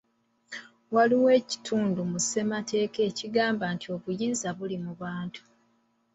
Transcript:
Waliwo ekitundu mu ssemateeka ekigamba nti obuyinza buli mu bantu.